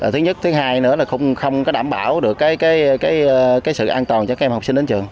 thứ nhất thứ hai nữa là không có đảm bảo được sự an toàn cho các em học sinh đến trường